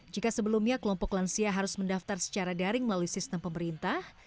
jika sebelumnya kelompok lansia harus mendaftar secara daring melalui sistem pemerintah